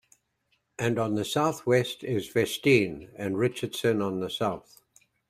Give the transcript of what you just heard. And on the Southwest is Vestine, and Richardson on the south.